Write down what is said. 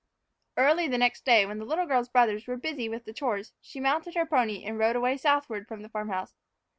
EARLY the next day, while the little girl's big brothers were busy with the chores, she mounted her pony and rode away southward from the farm house.